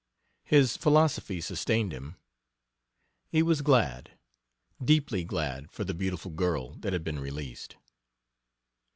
His philosophy sustained him. He was glad, deeply glad for the beautiful girl that had been released.